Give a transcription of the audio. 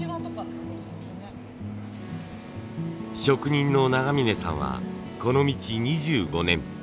職人の永峯さんはこの道２５年。